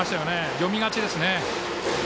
読み勝ちですね。